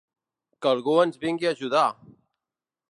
Que algú ens vingui a ajudar!